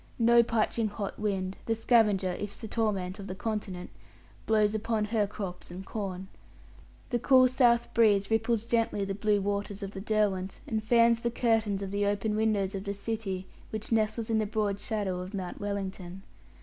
No parching hot wind the scavenger, if the torment, of the continent blows upon her crops and corn. The cool south breeze ripples gently the blue waters of the Derwent, and fans the curtains of the open windows of the city which nestles in the broad shadow of Mount Wellington.